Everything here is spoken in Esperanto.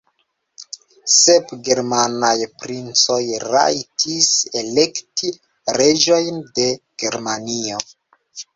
Sep germanaj princoj rajtis elekti reĝojn de Germanio.